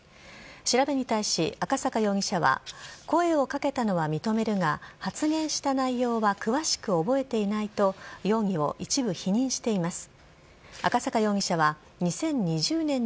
調べに対し、赤坂容疑者は声を掛けたのは認めるが発言した内容は詳しく覚えていないと容疑を一部否認しています。